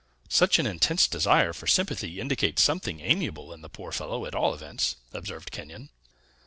"Such an intense desire for sympathy indicates something amiable in the poor fellow, at all events," observed Kenyon.